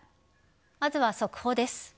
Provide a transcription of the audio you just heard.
まずは速報です。